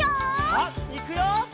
さあいくよ！